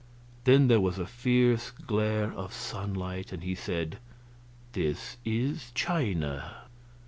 Then there was a fierce glare of sunlight, and he said, "This is China."